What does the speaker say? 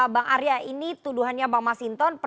bang arya ini tuduhannya bang masinton